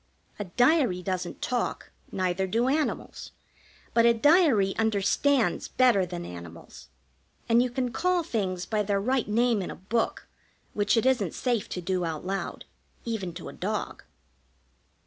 A diary doesn't talk, neither do animals; but a diary understands better than animals, and you can call things by their right name in a book which it isn't safe to do out loud, even to a dog.